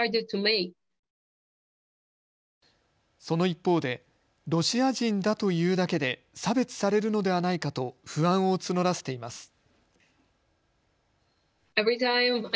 その一方でロシア人だというだけで差別されるのではないかと不安を募らせています。